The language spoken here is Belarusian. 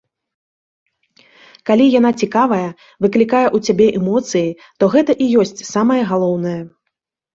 Калі яна цікавая, выклікае ў цябе эмоцыі, то гэта і ёсць самае галоўнае.